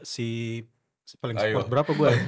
si paling sport berapa gue